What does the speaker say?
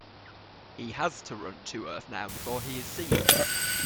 He has to run to earth now before he is seen.